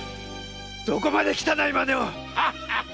どこまで汚い真似を！